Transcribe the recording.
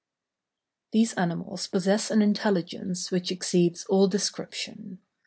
] These animals possess an intelligence which exceeds all description.